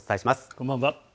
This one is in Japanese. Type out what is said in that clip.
こんばんは。